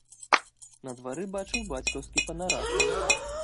На двары бачыў бацькаўскі панарад.